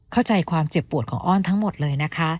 เข้าใจความเจ็บปวดของอ้อนทั้งหมดเลยนะคะ